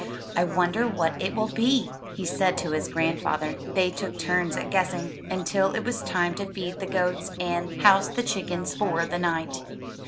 "I wonder what it will be?'* he said to his grandfather. They took turns at guessing, until it was time to feed the goats and house the chickens for the night.